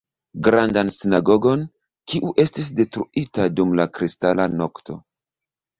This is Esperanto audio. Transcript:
Grandan sinagogon, kiu estis detruita dum la Kristala nokto.